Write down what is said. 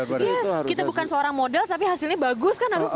iya kita bukan seorang model tapi hasilnya bagus kan harus begitu ya